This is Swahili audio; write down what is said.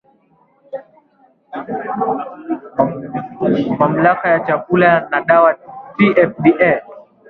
mamlaka ya chakula na dawa tfda